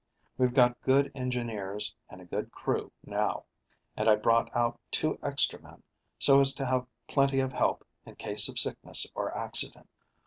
We've got good engineers, and a good crew, now, and I brought out two extra men, so as to have plenty of help in case of sickness or accident."